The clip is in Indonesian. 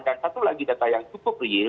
dan satu lagi data yang cukup real